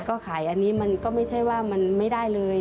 ก็ขายอันนี้มันก็ไม่ใช่ว่ามันไม่ได้เลย